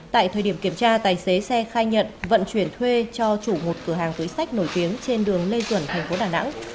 tại thời điểm kiểm tra tài xế xe khai nhận vận chuyển thuê cho chủ một cửa hàng túi sách nổi tiếng trên đường lê duẩn thành phố đà nẵng